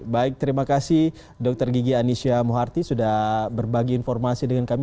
baik terima kasih dokter gigi anisya muharti sudah berbagi informasi dengan kami